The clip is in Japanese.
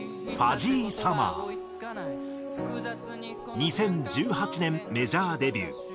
２０１８年メジャーデビュー。